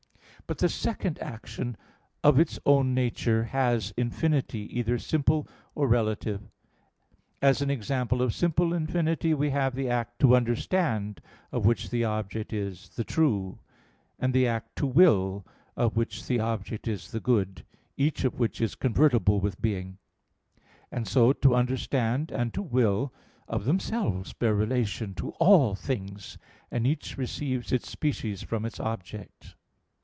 But the second action of its own nature has infinity, either simple or relative. As an example of simple infinity, we have the act "to understand," of which the object is "the true"; and the act "to will," of which the object is "the good"; each of which is convertible with being; and so, to understand and to will, of themselves, bear relation to all things, and each receives its species from its object.